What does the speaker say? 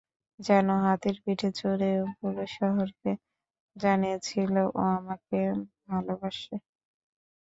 জানো, হাতির পিঠে চড়ে ও পুরো শহরকে জানিয়েছিল ও আমাকে আমাকে ভালোবাসে।